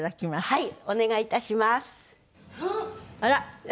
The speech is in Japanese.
「はい」